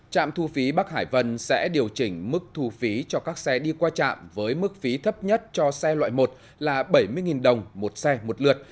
trạm thu phí bắc hải vân sẽ điều chỉnh mức thu phí cho các xe đi qua trạm với mức phí thấp nhất cho xe loại một là bảy mươi đồng một xe một lượt